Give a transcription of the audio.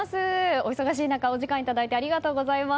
お忙しい中お時間いただいてありがとうございます。